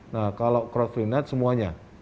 nah kalau cross free night semuanya